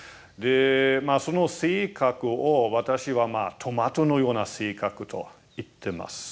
その性格を私は「トマトのような性格」と言ってます。